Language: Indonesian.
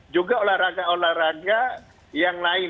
juga olahraga olahraga yang lain